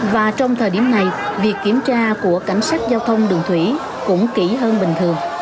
và trong thời điểm này việc kiểm tra của cảnh sát giao thông đường thủy cũng kỹ hơn bình thường